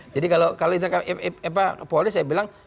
jadi kalau internal kapolri saya bilang